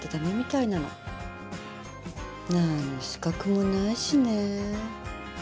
何の資格もないしね。